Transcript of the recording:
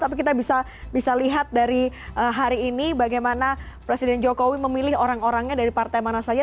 tapi kita bisa lihat dari hari ini bagaimana presiden jokowi memilih orang orangnya dari partai mana saja